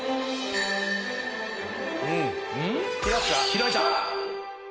・開いた！